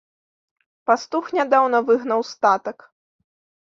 Пастух нядаўна выгнаў статак.